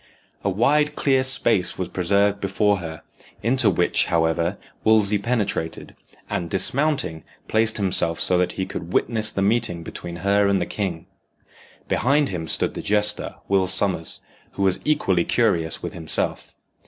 A wide clear space was preserved before her, into which, however, Wolsey penetrated, and, dismounting, placed himself so that he could witness the meeting between her and the king. Behind him stood the jester, Will Sommers, who was equally curious with himself.